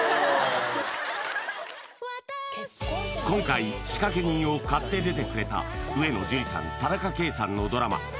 今回仕掛人を買って出てくれた上野樹里さん田中圭さんのドラマ